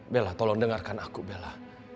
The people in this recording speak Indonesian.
bella tolong dengarkan aku bella